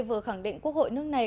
vừa khẳng định quốc hội nước này